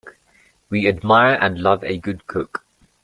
We admire and love a good cook.